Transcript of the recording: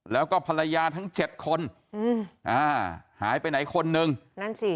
แล้วก็ภรรยาทั้งเจ็ดคนอืมอ่าหายไปไหนคนนึงนั่นสิ